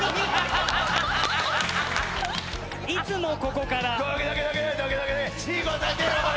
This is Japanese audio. いつもここから。